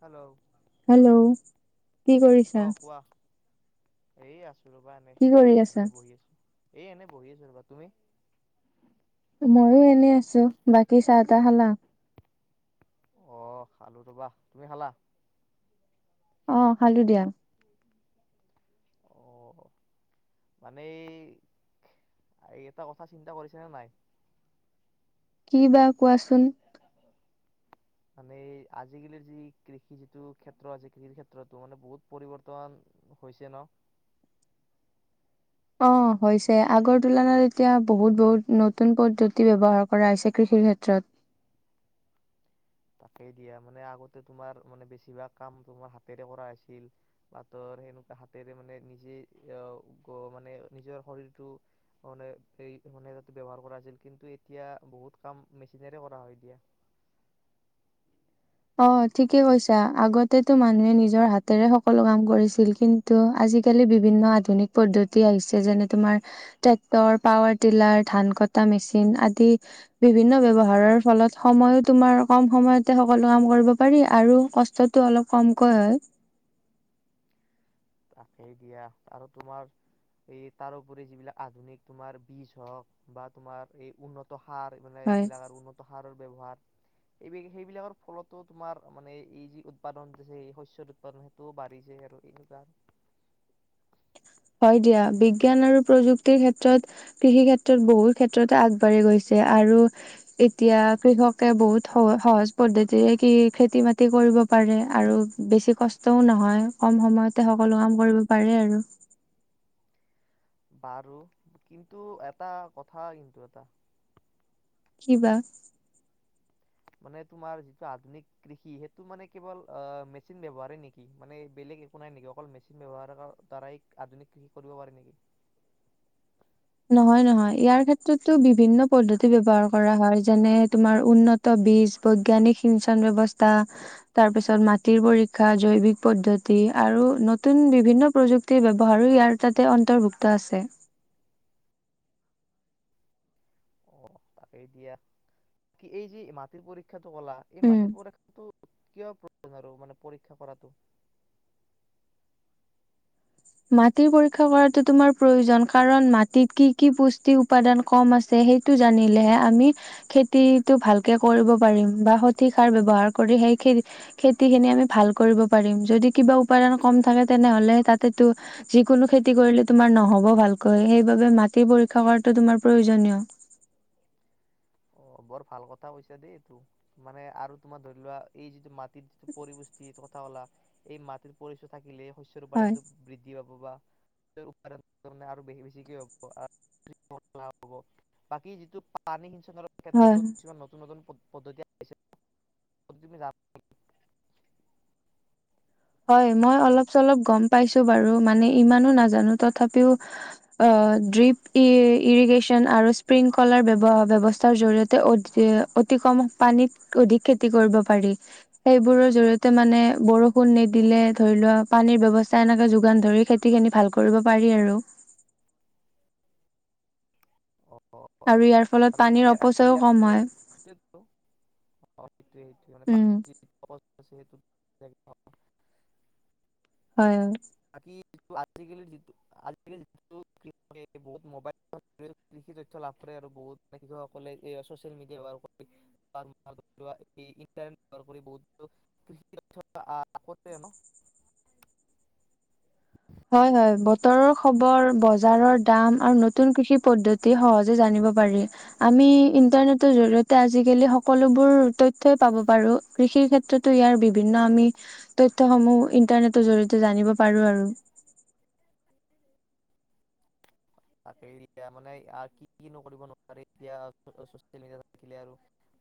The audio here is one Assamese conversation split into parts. হেল্ল'। হেল্ল' কি অ কৰিছা কোৱা এই আছো বা এনেই কি কৰি আছা? এনেই বহি আছো এই এনেই বহি আছো ৰবা তুমি মইও এনে আছো বাকী চাহ তাহ খালা আহ খালো তবা তুমি খালা অ খালো দিয়া অ মানে এই এই এটা কথা চিন্তা কৰিছা নাই কি বা কোৱাচোন মানে আজিকালিৰ যি কৃষি যিটো ক্ষেত্ৰ আছে কৃষিৰ ক্ষেত্ৰতো মানে বহুত পৰিৱৰ্তন হৈছে ন অ হৈছে আগৰ তুলনাত এতিয়া বহুত বহুত নতুন পদ্ধতি বৱহাৰ কৰা হৈছে কৃষিৰ ক্ষেত্ৰত তাকেই দিয়া মানে আগতে তোমাৰ মানে বেছিভাগ কাম তোমাৰ হাতেৰে কৰা হৈছিল বা তৰ সেনেকুৱা হাতেৰে মানে নিজে মানে অ অ মানে নিজৰ শৰীৰটো মানে এই ব্যৱহাৰ কৰা হৈছিল। কিন্তু এতিয়া বহুত কাম মেচিনেৰে কৰা হয় দিয়া। অ ঠিকে কৈছা আগতেতো মানুহে নিজৰ হাতেৰে সকলো কাম কৰিছিল কিন্তু আজিকালি বিভিন্ন আধুনিক পদ্ধতি আহিছে যেনে তোমাৰ ট্ৰেক্টৰ, পাৱাৰ টিলাৰ, ধান কটা মেচিন আদি বিভিন্ন ব্যৱহাৰৰ ফলত সময়ো তোমাৰ কম সময়তে সকলো কাম কৰিব পাৰি আৰু কষ্টতটো অলপ কমকৈ হয়। তাকেই দিয়া আৰু তোমাৰ এই তাৰোপৰি যিবিলাক আধুনিক তোমাৰ বীজ হওক বা তোমাৰ এই উন্নত সাৰ মানে হয় এইবিলাক আৰু উন্নত সাৰ ব্যৱহাৰ এই সেইবিলাকৰ ফলতো তোমাৰ মানে এই যি উৎপাদন হৈছে, শস্য উৎপাদন সেইটোও বাঢ়িছে আৰু এনেকুৱা হয় দিয়া বিজ্ঞান আৰু প্ৰযুক্তিৰ ক্ষেত্ৰত কৃষি ক্ষেত্ৰত বহুত ক্ষেত্ৰতে আগবাঢ়ি গৈছে আৰু এতিয়া কৃষকে বহুত স সহজ পদ্ধতিৰে কি খেতি বাতি কৰিব পাৰে আৰু বেছি কষ্টও নহয় কম সময়তে সকলো কাম কৰিব পাৰে আৰু বাৰু কিন্তু এটা কথা কিন্তু এটা কিবা মানে তোমাৰ যিটো আধুনিক কৃষি সেইটো মানে কেৱল আহ মেচিন ব্যৱহাৰেই নেকি? মানে বেলেগ একো নাই নেকি অকল মেচিন ব্যৱহাৰৰ দ্বাৰাই আধুনিক কৃষি কৰিব পাৰে নেকি? নহয় নহয় ইয়াৰ ক্ষেত্ৰতো বিভিন্ন পদ্ধতি ব্যৱহাৰ কৰা হয়। যেনে তোমাৰ উন্নত বীজ বৈজ্ঞানিক সিঞ্চন ব্যৱস্থা তাৰপিছত মাটিৰ পৰীক্ষা জৈৱিক পদ্ধতি আৰু নতুন বিভিন্ন প্ৰযুক্তিৰ ব্যৱহাৰো ইয়াৰ তাতে অন্তৰ্ভুক্ত আছে। অ তাকেই দিয়া কি এই যে মাটিৰ পৰীক্ষা টো কলা এই উম মাটিৰ পৰিক্ষাটো কিয় প্ৰয়োজন আৰু পৰীক্ষা কৰাটো? মাটিৰ পৰীক্ষা কৰাতো তোমাৰ প্ৰয়োজন। কাৰণ মাটিত কি কি পুষ্টি উপাদান কম আছে সেইটো জানিলেহে আমি খেতিটো ভালকে কৰিব পাৰিম বা সঠিক সাৰ ব্যৱহাৰ কৰি সেই খেতিখিনি আমি ভাল কৰিব পাৰিম। যদি কিবা উপাদান কম থাকে, তেনেহ'লে তাত- টো যিকোনো খেতি কৰিলে তোমাৰ নহ'ব ভালকৈ সেইবাবে মাটি পৰীক্ষা কৰাটো তোমাৰ প্ৰয়োজনীয়। অ বৰ ভাল কথা কৈছা দেইটো মানে আৰু তোমাৰ ধৰি লোৱা এই যিটো মা পৰিৱষ্টি কথা হলা এই মাটিৰ পৰিচয় থাকিলে শস্যৰ হয় উপপাদনটো বৃদ্ধি হ'ব বা আৰু বেছিকে হব হ বাকী যিটো পানী সিঞ্চনৰ এই হয় ক্ষেত্ৰতো কিছমান নতুন নতুন পদ্ধ পদ্ধতি হয় মই অলপ চলপ গম পাইছোঁ বাৰু মানে ইমানো নাজানো তথাপিও অ ড্ৰিপ ই ইৰিগেশ্যন আৰু স্প্ৰিংকলাৰৱ ব্যৱস্থাৰ জৰিয়তে অ অতি কম পানীত অধিক খতি খেতি কৰিব পাৰি সেইবোৰৰ জৰিয়তে মানে বৰষ কণ নিদিলে ধৰি লোৱা পানীৰ ব্যৱস্থা এনেকে যোগান ধৰি খেতি খিনি ভাল কৰিব পাৰি আৰু আৰু ইয়াৰ ফলত আৰু পানীৰ ইয়াৰ আৰু অপচয়ও ইয়াৰ কম ফলত হয় বাকী উম। [unintelligible] হয় হয়। আজিকালি যিটো আজিকালি যিটো কৃষি বহুত ম'বাইল কৃষি তথ্য লাভ কৰে আৰু বহুত মানে কৃষকসকলে এ চচিয়েল মিডিয়াৰ কৰি ইটাৰনেট ব্যৱহাৰ কৰি বহুত কৃষি আগতে ন হয় হয় বতৰৰ খবৰ বজাৰৰ দাম আৰু নতুন কৃষি পদ্ধতি সহজে জানিব পাৰি। আমি ইণ্টাৰনেটৰ জৰি়য়তে আজিকালি সকলোবোৰ তথ্যই পাব পাৰো কৃষিৰ ক্ষেত্ৰতো ইয়াৰ বিভিন্ন আমি তথ্য সমূহ ইন্টাৰনেটৰ জৰিয়তে জানিব পাৰোঁ আৰু। তাকে এতিয়া মানে কি কিনো কৰিব নোৱাৰে এতিয়া চচিয়েল মিডিয়া থাকিলে আৰু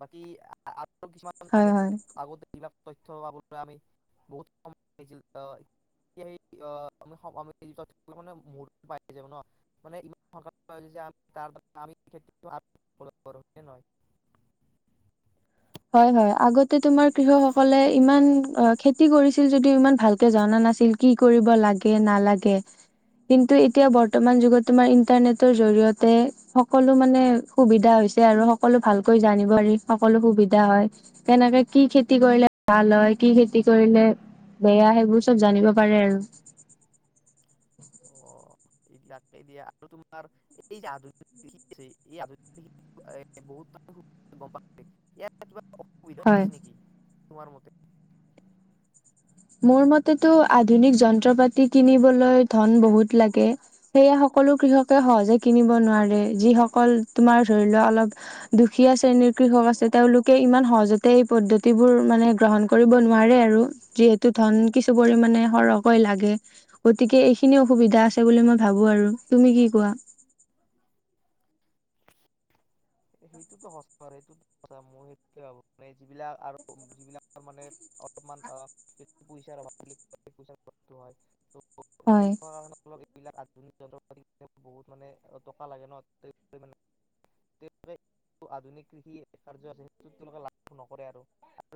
বাকী আ আৰু কিছুমান হয় আমি হয় আগতে তৈথ্য পাবলৈ আমি বহুত সময় লাগিছিল আহ আহ আমি সভাপতি ম পাই যাব ন মান ইমান ন [unintelligible] হয় হয় আগতে তোমাৰ কৃষকসকলে ইমান খেতি কৰিছিল যদিও ইমান ভালকে জনা নাছিল কি কৰিব লাগে নালাগে কিন্তু এতিয়া বৰ্তমান যুগত তোমাৰ ইন্টাৰনেটৰ জৰিয়তে সকলো মানে সুবিধা হৈছে আৰু সকলো ভালকৈ জানিব পাৰি সকলো হয় কেনেকে কি খেতি কৰিলে ভাল হয় কি খেতি কৰিলে বেয়া সেইবোৰ চব জানিব পাৰে আৰু এইবিলাক এ দিয়ে আৰু তোমাৰ এই যে আধুনিক কৃষি আ এই আধুনিক কৃষ এ বহুত গম প [unintelligible] ইয়াত কিবা অসুবিধা হয় আছে নেকি তোমাৰ মতে মোৰ মতেটো আধুনিক যন্ত্ৰ পাতি কিনিবলৈ ধন বহুত লাগে সেয়া সকলো কৃষকে সহজে কিনিব নোৱাৰে যিসকল তোমাৰ ধৰি লোৱা অলপ দুখীয়া শ্ৰেণীৰ কৃষক আছে তেওঁলোকে ইমান সহজতে এই পদ্ধতিবোৰ মানে গ্ৰহণ কৰিব নোৱাৰে আৰু যিহেতু ধন কিছু পৰিমানে সৰহকৈ লাগে গতিকে এইখিনি অসুবিধা আছে বুলি মই ভাবো আৰু তুমি কি কোৱা সেইটোতো সঁচা সেইটো সঁচ মই হেইকানে যিবিলাক আৰু যিবিলাক মানে অলপমান পইচাৰ অভাৱ বুলি কাৰ হয় [unintelligible] হয় এইবিলাক য যন্ত্ৰ পাতি বহুত মানে টকা লাগে ন তেওঁলোকে আধুনিক কৃষি কাৰ্য আছে সেই তেওঁলোকে লাভ নকৰে আৰু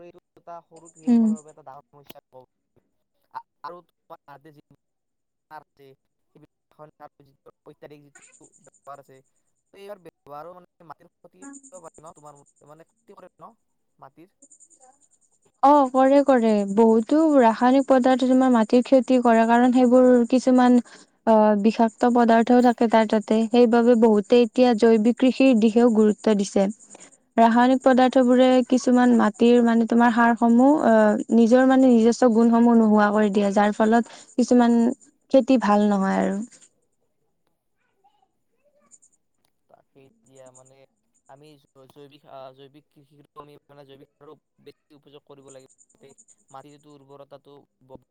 এই দুটা সৰু উম। কৃষকসকলৰ বাবে এটা ডাঙৰ আৰু যাৰ আছে [unintelligible] এইবাৰ ব্যৱহাৰ মানে মাটিৰ প্ৰতি পাৰি ন তোমাৰ ম ত মানে খেতি কৰে ন মাটিৰ অ কৰে কৰে বহুটো ৰা ৰাসায়নিক পদাৰ্থ মাটিৰ খেতি কৰে কাৰণ কিছুমান অ বিষাক্ত পদাৰ্থও থাকে তাৰ তাতে সেইবাবে বহুতে এতিয়া জৈৱিক কৃষিৰ দিশেও গুৰুত্ব দিছে ৰাসায়নিক পদাৰ্থ বোৰে কিছুমান মাটিৰ মানে সাৰসমূহ আহ নিজৰ মানে নিজস্ব গুণসমূহ নোহোৱা কৰি দিয়ে যাৰ ফলত কিছুমান খেতি ভাল নহয় আৰু তাক সেই এতিয়া মানে আমি জৈৱিক জৈৱিক কৃষি আমি মানে জৈৱিক সাৰ উপযোগ কৰিব লাগিব মাটিটো উৰ্বৰতাটো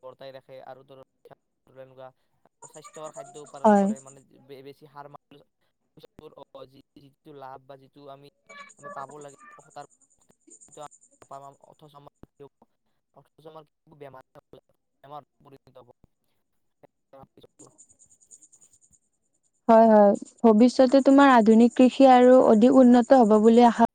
বৰ্তাই ৰাখে আৰু ধৰক এনেকুৱা স্বাস্থ্য খাদ্য উপাদন হয় কৰে মানে [unintelligible] সাৰ মানু যি যিটো লাভ বা যিটো আমি আমি পাব লাগিব পাপাম অৰ্থ [unintelligible] বেমাৰেমাৰ হ [unintelligible] হয় হয় ভৱিষ্যতে তোমাৰ আধুনিক কৃষি আৰু অধিক উন্নত হব বুলি আশা